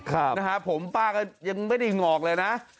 ครับนะฮะผมป้าก็ยังไม่ได้งอกเลยนะ